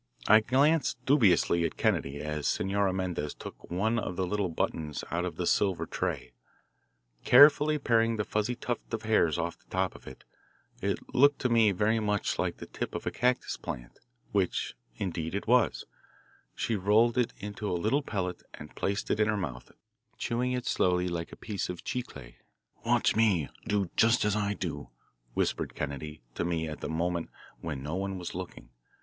I glanced dubiously at Kennedy as Senora Mendez took one of the little buttons out of the silver tray. Carefully paring the fuzzy tuft of hairs off the top of it it looked to me very much like the tip of a cactus plant, which, indeed, it was she rolled it into a little pellet and placed it in her mouth, chewing it slowly like a piece of chicle. "Watch me; do just as I do," whispered Kennedy to me at a moment when no one was looking.